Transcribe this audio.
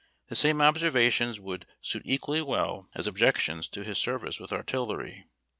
The same observations would suit equally well as objections to his service with artillery.